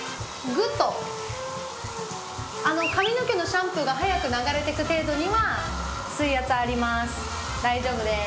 グッド髪の毛のシャンプーが早く流れてく程度には水圧あります